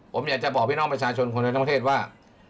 ผมอยากจะบอกพี่น้องประชาชนคนทั้งประเทศว่า